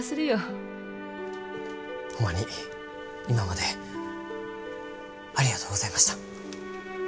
ホンマに今までありがとうございました。